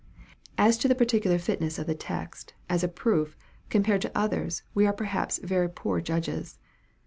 As to the particular fitness of the text, as a proof, compared to others we are perhaps very poor judges.